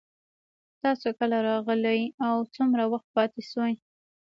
تاسو کله راغلئ او څومره وخت پاتې شوئ